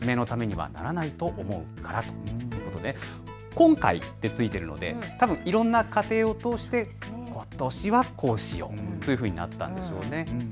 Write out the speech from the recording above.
今回ってついているのでたぶんいろんな過程を通してことしはこうしようというふうになったんでしょうね。